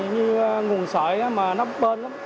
như nguồn sợi mà nó bên lắm